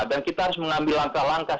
dan kita harus mengambil langkah langkah